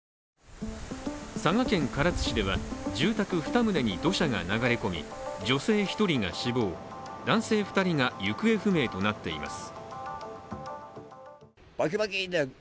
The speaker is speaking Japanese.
佐賀県唐津市では住宅２棟に土砂が流れ込み女性１人が死亡、男性２人が行方不明となっています。